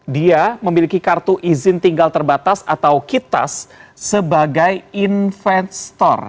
dia memiliki kartu izin tinggal terbatas atau kitas sebagai investor